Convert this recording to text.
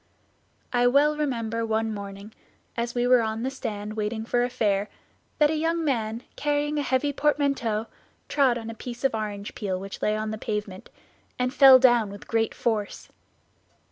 I well remember one morning, as we were on the stand waiting for a fare, that a young man, carrying a heavy portmanteau, trod on a piece of orange peel which lay on the pavement, and fell down with great force.